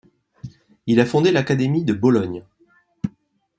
Il a fondé l'Académie de Bologne.